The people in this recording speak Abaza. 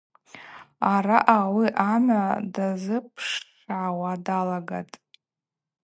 Араъа ауи амгӏва дазыпшгӏауа далагатӏ.